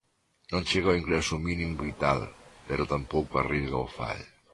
Non chega o ingreso mínimo vital, pero tampouco a Risga o fai.